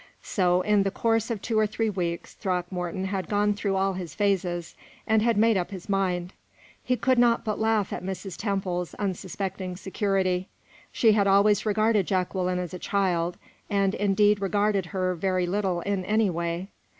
So, in the course of two or three weeks, Throckmorton had gone through all his phases, and had made up his mind. He could not but laugh at Mrs. Temple's unsuspecting security. She had always regarded Jacqueline as a child, and indeed regarded her very little in any way.